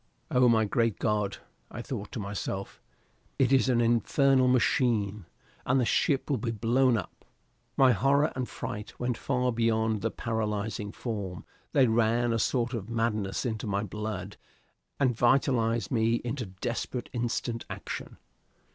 Oh, my great God, I thought to myself, it is an infernal machine! and the ship will be blown up! My horror and fright went far beyond the paralyzing form; they ran a sort of madness into my blood and vitalized me into desperate instant action.